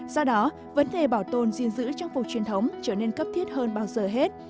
do đó vấn đề bảo tồn gìn giữ trang phục truyền thống trở nên cấp thiết hơn bao giờ hết